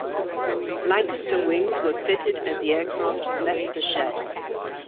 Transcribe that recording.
Lancaster wings were fitted as the aircraft left the shed.